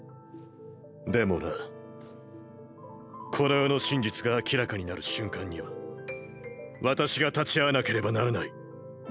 でもなこの世の真実が明らかになる瞬間には私が立ち会わなければならない。